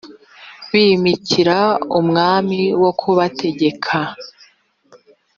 mbimikira umwami wo kubategeka